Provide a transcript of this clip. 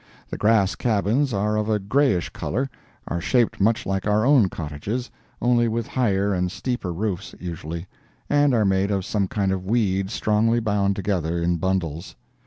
The grass cabins are of a grayish color, are shaped much like our own cottages, only with higher and steeper roofs usually, and are made of some kind of weed strongly bound together in bundles.